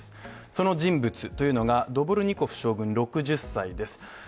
その人物がドボルニコフ将軍６０歳です。